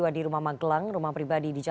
anda bersama dengan tim kuasa hukum lainnya